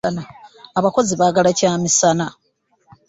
Abakozi baagala kya misana.